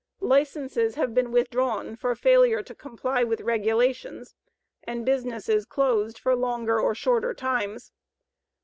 Licenses have been withdrawn for failure to comply with regulations, and businesses closed for longer or shorter times.